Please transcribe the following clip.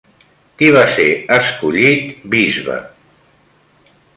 Qui va ser escollit bisbe?